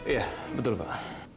iya betul pak